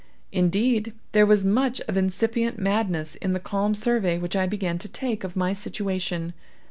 Indeed, there was much of incipient madness in the calm survey which I began to take of my situation.